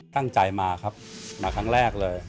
ตั้งใจมาครับมาครั้งแรกเลย